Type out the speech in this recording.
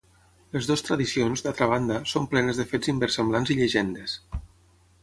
Les dues tradicions, d'altra banda, són plenes de fets inversemblants i llegendes.